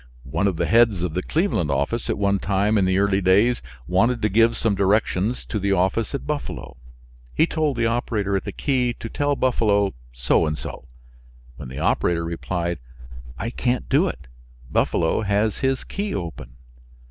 One of the heads of the Cleveland office at one time in the early days wanted to give some directions to the office at Buffalo. He told the operator at the key to tell Buffalo so and so, when the operator replied: "I can't do it; Buffalo has his key open."